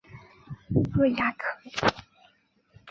瑞亚克。